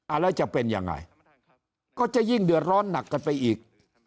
แล้วจะเป็นยังไงก็จะยิ่งเดือดร้อนหนักกันไปอีก